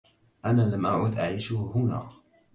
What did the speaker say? أنا لم أعد أعيش هنا.